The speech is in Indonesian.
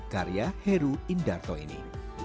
karya heru indarto ini